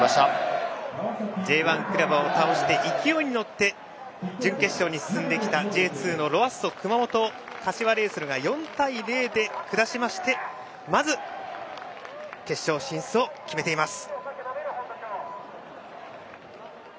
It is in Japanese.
Ｊ１クラブを倒して勢いに乗って準決勝に進んできたＪ２のロアッソ熊本を柏レイソルが４対０で下しましてまず、決勝進出を決めています。